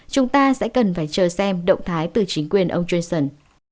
chúng ta sẽ cần phải chờ xem động thái từ chính quyền ông johnson